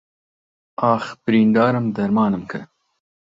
ئاخ بریندارم دەرمانم کە